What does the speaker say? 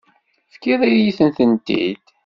Tefkiḍ-iyi-tent-id.